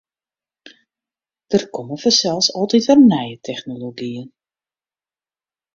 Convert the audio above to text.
Der komme fansels altyd wer nije technologyen.